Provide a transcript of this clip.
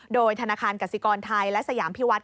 โดยธนาคารกสิกรไทยและสยามพิวัฒน